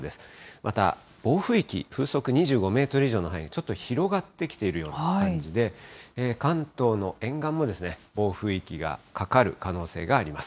また、暴風域、風速２５メートル以上の範囲、ちょっと広がってきているような感じで、関東の沿岸も暴風域がかかる可能性があります。